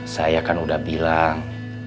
saya kan udah bilang